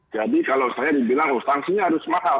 jadi kalau saya dibilang oh sanksinya harus mahal